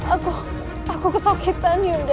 aku aku kesakitan yuda